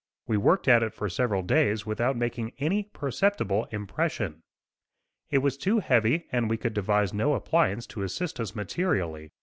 We worked at it for several days without making any perceptible impression. It was too heavy and we could devise no appliance to assist us materially.